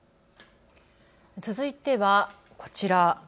続いては、こちら。